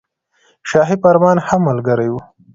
شاهي فرمان هم ملګری وو.